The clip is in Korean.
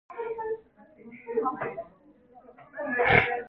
춘우는 눈을 감고 뜨지 않으려 하였다.